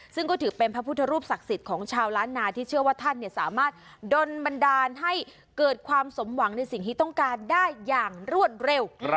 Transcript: ซึ่งก็ถือเป็นพระพุทธรูปศักดิ์สิทธิ์ของชาวล้านนาที่เชื่อว่าท่านสามารถดนบันดาลให้เกิดความสมหวังในสิ่งที่ต้องการได้อย่างรวดเร็ว